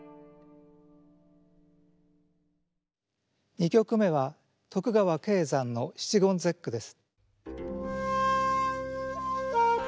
２曲目は徳川景山の七言絶句です。